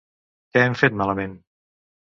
Què hem fet malament?